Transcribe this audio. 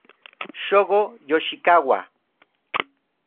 Shogo Yoshikawa